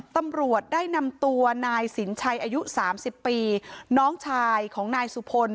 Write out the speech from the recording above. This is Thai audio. ตำรวจได้นำตัวนายสินชัยอายุ๓๐ปีน้องชายของนายสุพล